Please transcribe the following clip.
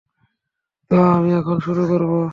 তো আমি এখন শুরু করব?